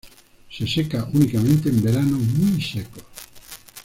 Se seca únicamente en veranos muy secos.